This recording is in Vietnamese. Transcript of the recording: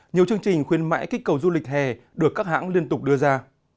nhiều chương trình khuyên mãi kích cầu du lịch hè được các hãng liên tục đưa ra